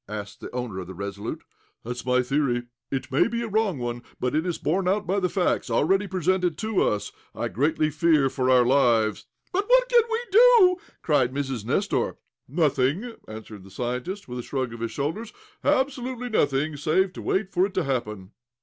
asked the owner of the RESOLUTE. "That's my theory. It may be a wrong one, but it is borne out by the facts already presented to us. I greatly fear for our lives!" "But what can we do?" cried Mrs. Nestor. "Nothing," answered the scientist, with a shrug of his shoulders. "Absolutely nothing, save to wait for it to happen."